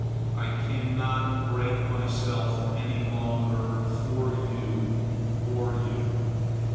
I cannot break myself any longer for you, or you.